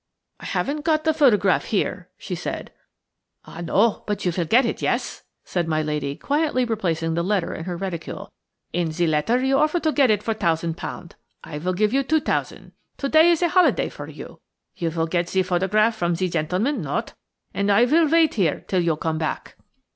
"I haven't got the photograph here," she said. "Ah, no! but you vill get it–yes?" said my lady, quietly replacing the letter in her reticule. "In ze letter you offer to get it for tousend pound. I vill give you two tousend. To day is a holiday for you. You vill get ze photograph from ze gentleman–not? And I vill vait here till you come back."